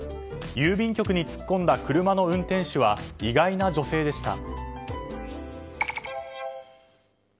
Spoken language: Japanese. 郵便局に突っ込んだ車の運転手は意外な女性でした。